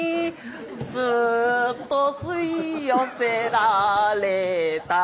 「スーッと吸い寄せられた」